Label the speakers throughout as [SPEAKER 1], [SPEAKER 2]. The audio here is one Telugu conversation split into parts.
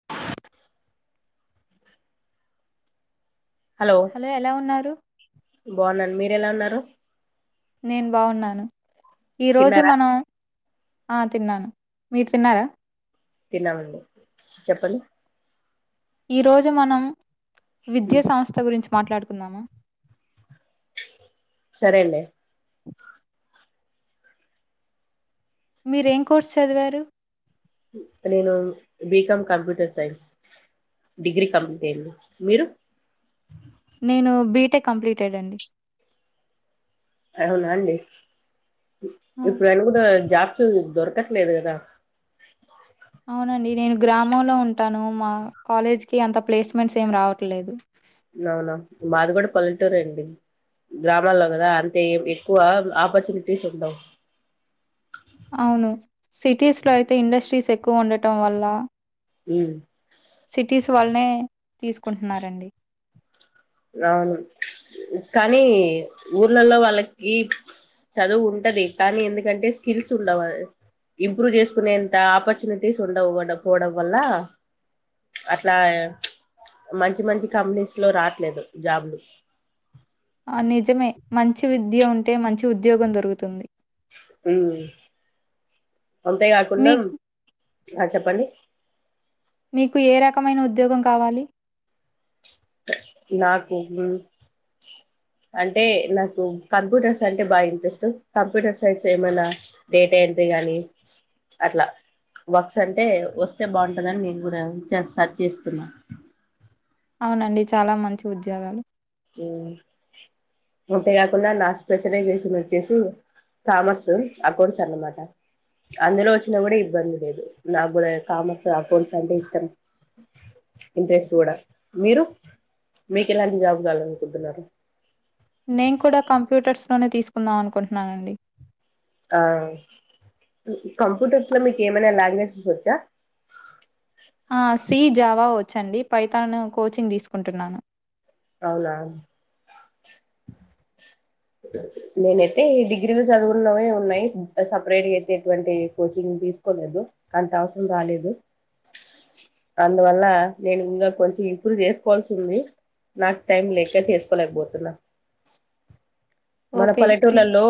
[SPEAKER 1] [inaudible] హలో
[SPEAKER 2] ఎలా ఉన్నారు?
[SPEAKER 1] బాగున్నాను మీరెలా ఉన్నారు
[SPEAKER 2] నేను బావున్నాను, ఈ రోజు
[SPEAKER 1] తిన్నారా
[SPEAKER 2] మనవ్ ఆ తిన్నాను, మీరు తిన్నారా.
[SPEAKER 1] తిన్నామండి చెప్పండి.
[SPEAKER 2] ఈ రోజు మనం
[SPEAKER 1] ఉమ్,
[SPEAKER 2] విద్యా సంస్థ గురించి మాట్లాడుకుందామా
[SPEAKER 1] సరేండే
[SPEAKER 2] మీరేం కోర్సు చదివారు
[SPEAKER 1] నేను BCom computer science degree complete అయింది. మీరు
[SPEAKER 2] నేను బీటెక్ కంప్లీటెడ్ అండి.
[SPEAKER 1] అవునా అండి. ఇప్
[SPEAKER 2] ఆ!
[SPEAKER 1] ఇప్పుడు అనుగుదాన్ జాబ్స్ దొరకట్లేదు గాదా
[SPEAKER 2] అవునండి, నేను గ్రామంలో ఉంటాను. మా కాలేజ్ కి అంత ప్లేస్మెంట్స్ ఏమ్ రావట్లేదు.
[SPEAKER 1] లావునా మాదిగూడ పల్లెటూరే అండి. గ్రాబ్లలా గాదా అంతేం ఎక్కువ ఆపర్చునిటీస్ ఉండవ్.
[SPEAKER 2] అవును, సిటీస్లో అయితే ఇండస్ట్రీస్ ఎక్కువ ఉండటం వల్లా
[SPEAKER 1] హుహ్
[SPEAKER 2] సిటీస్ వాళ్ళనే తీసుకుంటున్నారండి.
[SPEAKER 1] రావును కానీ ఊర్లల్లో వాళ్ళకి చదువు ఉంటది. కానీ ఎందుకంటే స్ కిల్స్ ఉండావాస్ ఇంప్రూవ్ చేసుకునేంత ఆపర్చునిటీస్ ఉండవు. వడ పోవడం వల్ల అట్లా మంచి, మంచి కంపెనీస్ లో రాట్లేదు జాబులు
[SPEAKER 2] దియా ఉంటే మంచి ఉద్యోగం దొరుగుతుంది.
[SPEAKER 1] హుహ్ అంతే కాకుండాం
[SPEAKER 2] మీకు
[SPEAKER 1] ఆ చెప్పండి.
[SPEAKER 2] మీకు ఏ రకమైన ఉద్యోగం కావాలి.
[SPEAKER 1] నా కుహులుమ్ అంటే నాకు కంప్యూటర్స్ అంటే బా ఇంట్రెస్టు. కంప్యూటర్ సైన్స్ ఏమైనా డేటా ఏంట్రీ. గానీ అట్లా వోక్స్ అంటే వస్తే బావుంటదని. నేను కూడా ఇచ్చాన్ సర్చ్ చేస్తున్నా.
[SPEAKER 2] అవునండి, చాలా మంచి ఉద్యోగాలు.
[SPEAKER 1] ఉహ్ నుటే కాకుండా నా స్పెషలైజేషన్ వచ్చేసి. కామర్సు అకౌంట్స్ అనమాట అందులో వచ్చినా కూడా ఇబ్బంది లేదు. నా గుడా కామర్స్ అకౌంట్స్ అంటే ఇష్టం. ఇంట్రెస్ట్ గుడా, మీరు మీకు ఎలాంటి జాబ్. గలనుకుంటున్నారు.
[SPEAKER 2] నేన్ కూడా కంప్యూటర్స్ లోనే తీసుకుందాం అనుకుంటున్నానండి.
[SPEAKER 1] ఆఆ కు కంప్యూటర్స్లా మీకు ఏమైనా లాంగ్వేజస్స్ వచ్చా.
[SPEAKER 2] సి జావా వచ్చండి, పైతనున్ కోచింగ్ తీసుకుంటున్నాను.
[SPEAKER 1] అవునాన్ నేనైతే డిగ్రీలు చదువున్నవే ఉన్నాయి. సపరేట్ అయితే ఎటువంటి కోచింగ్ తీసుకోలేదు. కంత్ అవసరం రాలేదు. అందువల్ల నేను ఇంగా కొంచెం ఇంప్రు జేసుకోవాల్సి ఉంది. నాక్ టైం లేక చేసుకోలేకబోతున్నా. మన
[SPEAKER 2] ఓకే. ఇవ్
[SPEAKER 1] పల్లెట్టూర్లలో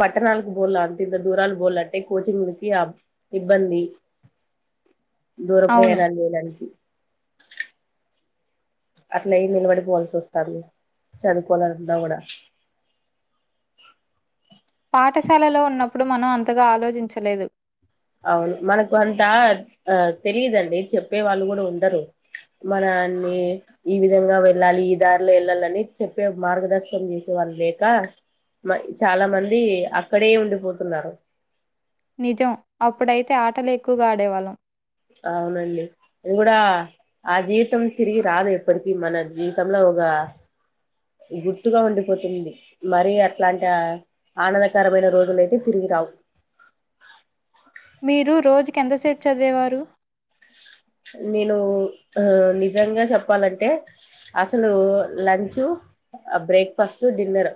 [SPEAKER 1] పట్టణాలకు పోల అంత ఇంత దూరలు పోాలంటే కోచింగ్లకి ఆ ఇబ్బంది దూరపయ
[SPEAKER 2] అవును.
[SPEAKER 1] ఎలా లేలానికి అట్లయి నిలబడిపోవాల్సి వస్తాము చదువుకోవాలన్నాా కూడా
[SPEAKER 2] పాఠశాలలో ఉన్నప్పుడు మనం అంతగా ఆలోచించలేదు
[SPEAKER 1] అవును మనకు అంతా ఆ తెలియదండి చెప్పే వాళ్ళు కూడా ఉండరు మనన్ని ఈ విధంగా వెళ్ళాలి ఈ దారిలో వెళ్ళాలిని చెప్పే మార్గదర్శనం చేసే లేక మ చాలా మంది అక్కడే ఉండిపోతున్నారు
[SPEAKER 2] నిజం అప్పుడైతే ఆటలు ఎక్కువగా ఆడేవాళ్ళం
[SPEAKER 1] అవునండి అది కూడా ఆ జీవితం తిరిగి రాదు ఎప్పటికిీ మన జీవితంలో పోగా గుర్తుగా ఉండిపోతుంది మర అట్లాంటి ఆనందకరమైన రోజుల అయితే తిరిగి రావు
[SPEAKER 2] మీరు రోజు కింతసేపు చదివేవారు
[SPEAKER 1] నేను నిజంగా చెప్పాలంటే అసలు లంచు ఆ బ్రేక్ఫాస్ట్ డిన్నర్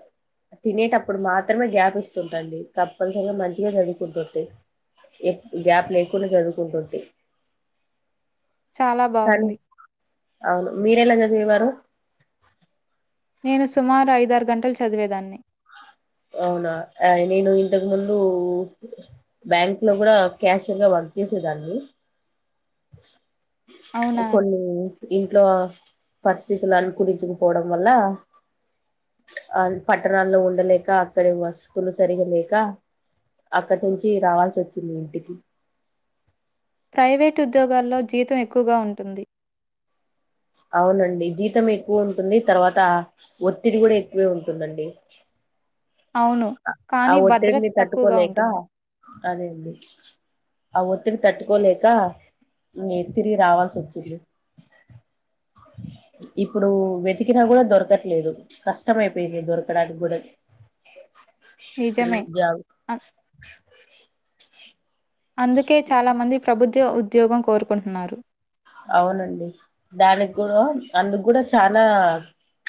[SPEAKER 1] తినేటప్పుడు మాత్రమే గ్యాప్ ఇస్తుంటుండి కప్పల్స్ మంచిగా చదువుకుంటు స ఎ గ్యాప్ లేకుండా చదువుకుంటుంది
[SPEAKER 2] చాలా బాగుంది
[SPEAKER 1] అవును మీరేలా చదివేవారు
[SPEAKER 2] నేను సుమారు ఐదారు గంటలు చదివేదాన్ని
[SPEAKER 1] అవునా నేను ఇంతకు ముందు బ్యాంక్ లో కూడా క్యాషియర్ గా పని వత్యసే దాన్ని
[SPEAKER 2] అవునా?
[SPEAKER 1] కొన్ని ఇంట్లో పరిస్థితులు అనుకూలించకపోవడం వల్ల ఆ పట్టణాల్లో ఉండలేక అక్కడ వస్తువులు సరిగలేక అక్కడి నుంచి రావాల్సి వచ్చింది ఇంటికి
[SPEAKER 2] ప్రైవేటు ఉద్యోగాల్లో జీతం ఎక్కువగా ఉంటుంది
[SPEAKER 1] అవునండి జీతం ఎక్కువ ఉంటుంది తర్వాత ఒత్తిడి కూడా ఎక్కువే ఉంటుందండి
[SPEAKER 2] అవును.
[SPEAKER 1] ఆ
[SPEAKER 2] కానీ భద్రత
[SPEAKER 1] ఒత్తిడిని
[SPEAKER 2] తక్కువగా
[SPEAKER 1] తట్టుకోలేక
[SPEAKER 2] ఉంటుంది.
[SPEAKER 1] అదేండి ఆ ఒత్తిడి తట్టుకోలేక మీ తిరిగి రావాల్సి వచ్చింది ఇప్పుడు వెతికినా కూడా దొరకట్లేదు కష్టం అయిపోయింది దొరకడానికి కూడా స్త్రీ
[SPEAKER 2] నిజమే.
[SPEAKER 1] జవు
[SPEAKER 2] అందుకే చాలా మంది ప్రభుద్యో ఉద్యోగం కోరుకుంటున్నారు
[SPEAKER 1] అవునండి దానికి కూడా అందుకు కూడా చానా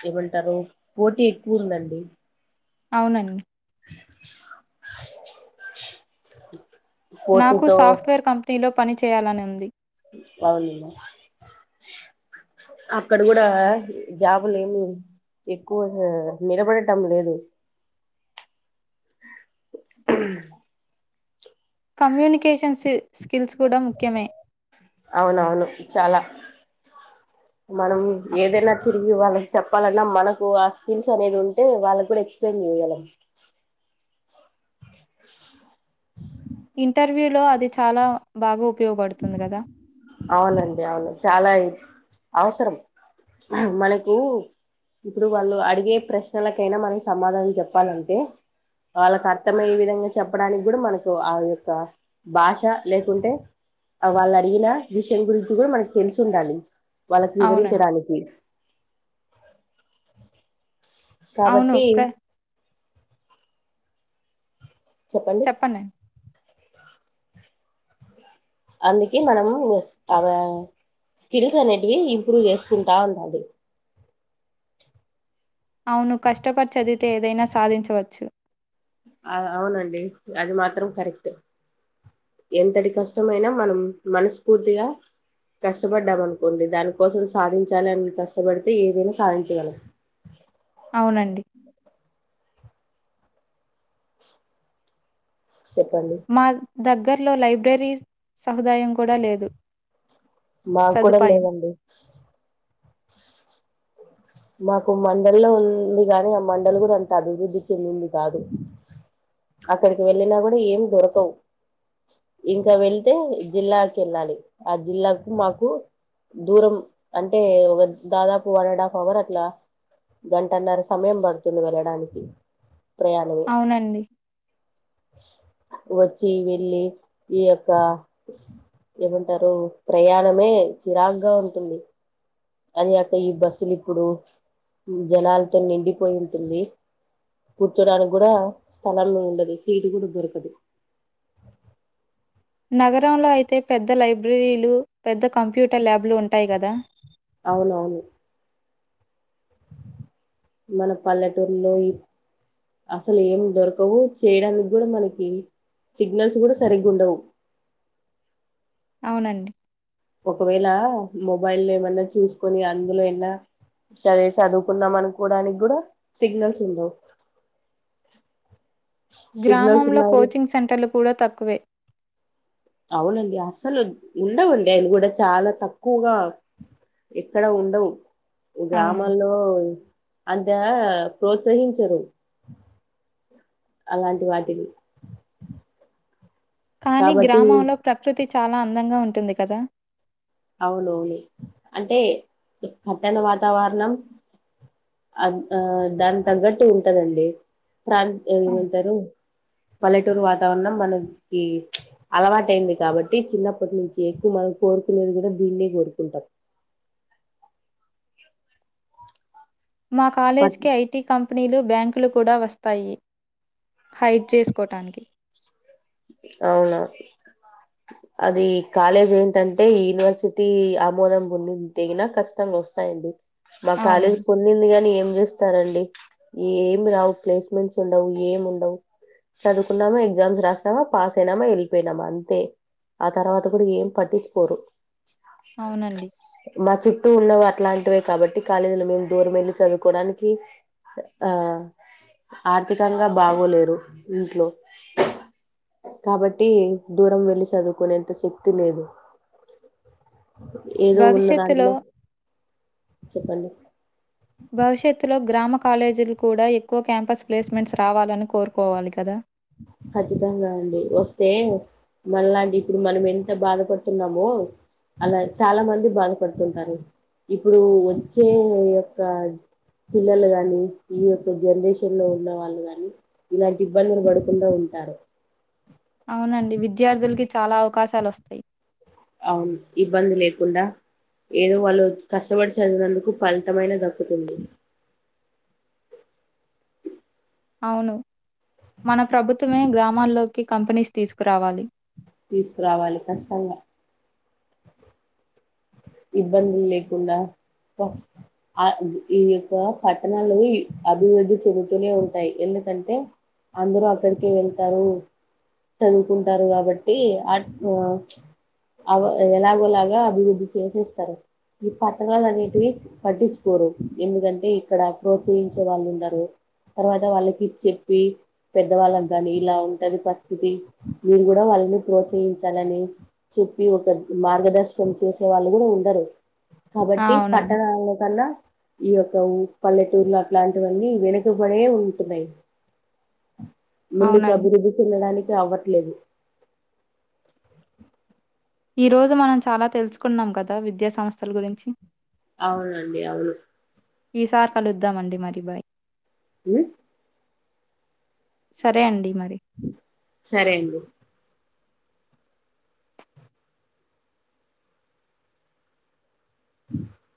[SPEAKER 1] ఏమంటారు పోటీ ఎక్కువ ఉందండి
[SPEAKER 2] అవునండి నాకు
[SPEAKER 1] పోటీతో
[SPEAKER 2] సాఫ్ట్‌వేర్ కంపెనీలో పని చేయాలని ఉంది
[SPEAKER 1] అవునులే అక్కడ కూడా జాబులేమీ ఎక్కువ గా నిలబడటం లేదు
[SPEAKER 2] కమ్యూనికేషన్ సిల్ స్కిల్స్ కూడా ముఖ్యమే
[SPEAKER 1] అవునవును చాలా మనం
[SPEAKER 2] అ
[SPEAKER 1] ఏదైనా తిరిగి ఈ వాళ్లకి చెప్పాలన్నా మనకు ఆ స్కిల్స్ అనేవి ఉంటే వాళ్లకి కూడా ఎక్స్‌ప్లెయిన్ చేయగలం
[SPEAKER 2] ఇంటర్వ్యూలో అది చాలా బాగో
[SPEAKER 1] అవునండి అవును చాలాఏ అవసరం మనకు ఇప్పుడు వాళ్ళు అడిగే ప్రశ్నలకైనా మనం సమాధానం చెప్పాలంటే వాళ్లకి అర్థమయ్యే విధంగా చెప్పడానికి కూడా మనకు ఆ యొక్క భాష లేకుంటే ఆ వాళ్లు అడిగిన విషయం గురించి కూడా మనకు తెలిసి ఉండాలి, వాళ్లకి
[SPEAKER 2] అవునండి.
[SPEAKER 1] వివరించడానికి
[SPEAKER 2] అవును.
[SPEAKER 1] కాబట్టి
[SPEAKER 2] ప్ర చెప్పండి
[SPEAKER 1] అందుకే మనము అవ్వ స్కిల్స్ అనేటివి ఇంప్రూవ్ చేసుకుంటా ఉండాలి
[SPEAKER 2] అవును కష్టపడి చదివితే ఏదైనా సాధించవచ్చు
[SPEAKER 1] ఆ అవునండి అది మాత్రం కరెక్ట్ ఎంతటి కష్టమైనా మనం మనస్ఫూర్తిగా కష్టపడ్డాం అనుకోండి దానికోసం సాధించాలని అని కష్టపడితే ఏదైనా సాధించేగలం
[SPEAKER 2] అవునండి
[SPEAKER 1] చెప్పండి
[SPEAKER 2] దగ్గర్లో లైబ్రరీ సహుదాయం కూడా లేదు
[SPEAKER 1] మాకు కూడా
[SPEAKER 2] సదుపాయం.
[SPEAKER 1] లేదండి మాకు మండల్లో ఉంది కాని ఆ మండల్ కూడా అంత అభివృద్ధి చెందింది కాదు అక్కడికి వెళ్ళినా కూడా ఏం దొరకవ్ ఇంకా వెళ్తే జిల్లాకెళ్ళాలి ఆ జిల్లాకు మాకు దూరం అంటే ఒక దాదాపు వన్ అండ్ హాఫ్ అవర్ అట్లా గంటన్నర సమయం పడుతుంది వెళ్ళడానికి ప్రయాణమే
[SPEAKER 2] అవునండి
[SPEAKER 1] వచ్చి వెళ్ళి ఈ యొక్క ఏమంటారు ప్రయాణమే చిరాకుగా ఉంటుంది అది కాక ఈ బస్సులు ఇప్పుడు జనాలతో నిండిపోయి ఉంటుంది కూర్చోడానికి కూడా స్థలం ఉండదు సీటు కూడా దొరకదు
[SPEAKER 2] నగరంలో అయితే పెద్ద లైబ్రరీలు పెద్ద కంప్యూటర్ ల్యాబ్ లు ఉంటాయి కదా
[SPEAKER 1] అవును అవును మన పల్లెటూరులో ఇ అసల్ ఏం దొరకవు చేయడానికి కూడా మనకి సిగ్నల్స్ కూడా సరిగ్గా ఉండవు
[SPEAKER 2] అవునండి.
[SPEAKER 1] ఒకవేళ మొబైల్ ఏమన్నా చూసుకొని అందులో ఏన్నా చదివి చదువుకుందాం అనుకోవడానికి కూడా సిగ్నల్స్ ఉండవు. సిగ్నల్స్
[SPEAKER 2] గ్రామంలో
[SPEAKER 1] ఉన్నాయి
[SPEAKER 2] కోచింగ్ సెంటర్లు కూడా తక్కువే.
[SPEAKER 1] అవునండి అసలు ఉండవండి ఆయన కూడా చాలా తక్కువగా ఎక్కడ ఉండవు
[SPEAKER 2] అవును.
[SPEAKER 1] గ్రామాల్లో అ ప్రోత్సహించరు. అలాంటి వాటిని
[SPEAKER 2] కానీ
[SPEAKER 1] కాబట్టి
[SPEAKER 2] గ్రామంలో ప్రకృతి చాలా అందంగా ఉంటుంది. కదా
[SPEAKER 1] అవునవును అంటే పట్టణ వాతావరణం. అ ఆ దాని తగ్గట్టు ఉంటదండి. ప్రాంత
[SPEAKER 2] అవును.
[SPEAKER 1] ఏమంటారు పల్లెటూరు వాతావరణం మనకి అలవాటుయింది. కాబట్టి చిన్నప్పటి నుంచి ఎక్కువ మనం కోరుకు నేది కూడా దీన్నే కోరుకుంటం.
[SPEAKER 2] మా
[SPEAKER 1] బట్
[SPEAKER 2] కాలేజీకి ఐటీ కంపెనీలు బ్యాంకులు కూడా వస్తాయి. హైడ్ చేసుకోటానికి
[SPEAKER 1] అవునా అది కాలేజ్ ఏంటంటే యూనివర్సిటీ ఆమోదం పొందింది తేగినా కష్టమే వస్తాయండి మా
[SPEAKER 2] అవును.
[SPEAKER 1] కాలేజీ పొందింది కాని ఏం ఏస్తారండి ఏమి రావు ప్లేస్మెంట్స్ ఉండవు ఏం ఉన్ నౌ చదువుకున్నామా ఎగ్జామ్స్ రాసినమా పాస్ అయినామా వెళ్ళిపోయినామా అంతే ఆ తర్వాత కూడా ఏం పట్టించుకోరు.
[SPEAKER 2] అవునండి.
[SPEAKER 1] మా చుట్టూ ఉన్నవు అట్లాంటివే కాబట్టి కాలేజీలు మేము దూరం వెళ్ళి చదువుకోవడానికి ఆ ఆర్థికంగా బాగోలేరు ఇంట్లో కాబట్టి దూరం వెళ్లి చదువుకునేంత శక్తి లేదు. ఏదో ఉన్న
[SPEAKER 2] భవిష్యత్తులో
[SPEAKER 1] దాంట్లో చెప్పండి.
[SPEAKER 2] భవిష్యత్తులోగు గ్రామ కాలేజీలు కూడా ఎక్కువ క్యాంపస్ ప్లేస్మెంట్స్ రావాలని కోరుకోవాలి కదా
[SPEAKER 1] ఖచ్చితంగా అండి వస్తే మనలాంటి ఇప్పుడు మనం ఎంత బాధపడుతున్నామో అలా చాలా మంది బాధపడుతుంటారు ఇప్పుడు వచ్చే యొక్క అద్ పిల్లలు గాని ఈ యొక్క జనరేషన్ లో ఉన్న వాళ్ళు గాని ఇలాంటి ఇబ్బందులు వడు కుండా ఉంటారు.
[SPEAKER 2] అవునండి. విద్యార్థులకి చాలా అవకాశాలు వస్తాయి.
[SPEAKER 1] అవును ఇబ్బంది లేకుండా ఏదో వాళ్ళు కష్టపడి చదివినందుకు ఫలితమైన దక్కుతుంది.
[SPEAKER 2] అవును మన ప్రభుత్వమే గ్రామాల్లోకి కంపెనీస్ తీసుకురావాలి.
[SPEAKER 1] తీసుకురావాలి కచ్చితంగా ఇబ్బందులు లేకుండా పస్ అ ఈ యొక్క పట్టణాలు ఈ అభివృద్ధి చెందుతూనే ఉంటాయి. ఎంద ఎంత అంటే అందరు అక్కడికి వెళ్తారు. చదువుకుంటారు కాబట్టి ఆట్ ఉ ఆ అవో ఎలాగో అలాగా అభివృద్ధి చేసేస్తారు ఈ పట్టణాలు అనేటివి పట్టించుకోరు ఎందుకంటే ఇక్కడ ప్రోత్సహి చే వాళ్ళు ఉండరు తర్వాత వాళ్ళకి చెప్పి పెద్దవాళ్ళకు కానీ ఇలా ఉంటది పరిస్థితి మీరు కూడా వాళ్ళని ప్రోత్సహించాలని చి చూపి ఒక మార్గదర్శకం చేసే తో వాళ్ళు కూడా ఉండరు.
[SPEAKER 2] ఆ!
[SPEAKER 1] కాబట్టి
[SPEAKER 2] అవునండి.
[SPEAKER 1] పట్టణలలో కన్నా ఈ యొక్క ఉ పల్లెటూర్లో అట్లాంటివన్నీ వెనుకబడే ఉంటున్నాయి. ముందుకు
[SPEAKER 2] అవునండి.
[SPEAKER 1] అభివృద్ధి చెందడానికి అవ్వట్లేదు
[SPEAKER 2] ఈ రోజు మనం చాలా తెలుసుకున్నాం కదా విద్యా సంస్థల గురించి
[SPEAKER 1] అవునండి అవును
[SPEAKER 2] ఈ సార్ కలుద్దాము అండి మరి బాయ్
[SPEAKER 1] ఉ
[SPEAKER 2] సరే అండి మరి.
[SPEAKER 1] సరే అండి